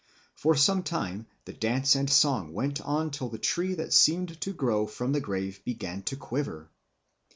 For some time the dance and song went on till the tree that seemed to grow from the grave began to quiver.